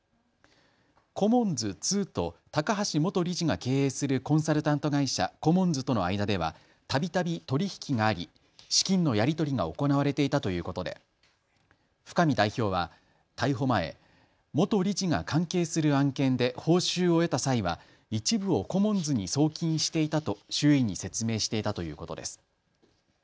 コモンズ２と高橋元理事が経営するコンサルタント会社、コモンズとの間ではたびたび取引があり資金のやり取りが行われていたということで深見代表は逮捕前、元理事が関係する案件で報酬を得た際は一部をコモンズに送金していたと周囲に説明していたということです。